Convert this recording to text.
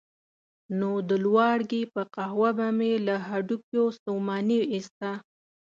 نو د لواړګي په قهوه به مې له هډوکیو ستوماني ایسته.